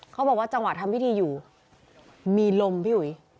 เขาบอกว่าจังหวะทำพิธีอยู่มีลมพี่อุ๋ย